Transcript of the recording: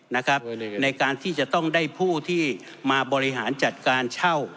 ในการที่จะต้องได้ผู้ที่มาบริหารจัดการเช่า